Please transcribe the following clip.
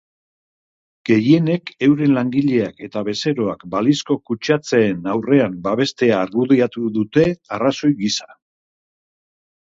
Gehienek euren langileak eta bezeroak balizko kutsatzeen aurrean babestea argudiatu dute arrazoi gisa.